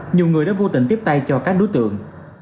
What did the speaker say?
nhiều người đã vô tình tiếp tay cho các đối tượng